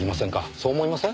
そう思いません？